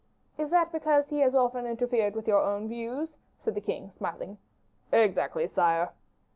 "Is that because he has often interfered with your own views?" said the king, smiling. "Exactly, sire."